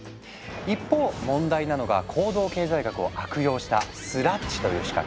一方問題なのが行動経済学を悪用したスラッジという仕掛け。